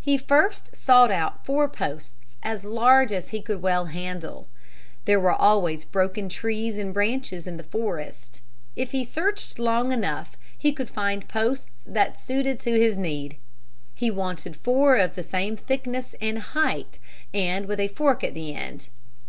He first sought out four posts, as large as he could well handle. There were always broken trees and branches in the forest. If he searched long enough he could find posts just suited to his need. He wanted four of the same thickness and height and with a fork at the end.